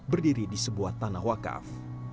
berdiri di sebuah tanah wakaf